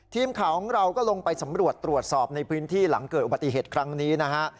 ทีมข่าวของเราก็ลงไปสำรวจตรวจสอบในพื้นที่หลังเกิดอุบัติเหตุครั้งนี้นะฮะ